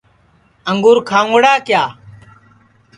انگُور کھاؤنگڑا کِیا